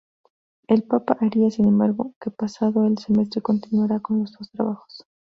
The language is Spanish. El Papa haría, sin embargo, que pasado el semestre continuara con los dos trabajos.